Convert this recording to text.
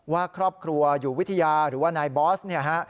ว่าครอบครัวอยู่วิทยาหรือว่านายบอสเนี่ยฮะ